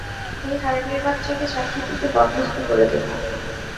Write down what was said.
এই হারামির বাচ্চাকে চাকরি থেকে বরখাস্ত করে দেবো।